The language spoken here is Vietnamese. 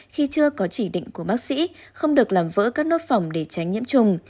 khi chưa có chỉ định của bác sĩ không được làm vỡ các nốt phòng để tránh nhiễm trùng